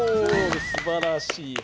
すばらしい。